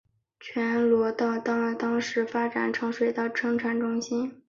全罗道在当时已发展成水稻生产中心。